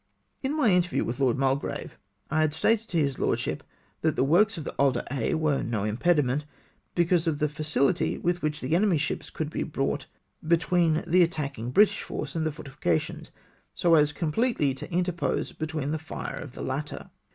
In my interview with Lord Mulgrave, I had stated to his lordship, that the works on the Isle d'Aix were no impediment, because of the fiicihty with which the enemy's ships could be brought between the attacking British force and the fortifications, so as completely to interpose between the fire of the latter.